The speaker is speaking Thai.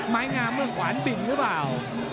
ไม้งามเมืองขวานบิ่งหรือเปล่า